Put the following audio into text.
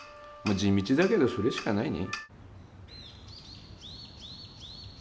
地道だけどそれしかないね。